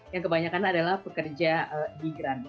yang kebanyakan adalah pekerja migran